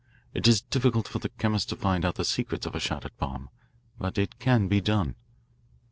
It is difficult for the chemist to find out the secrets of a shattered bomb. But it can be done.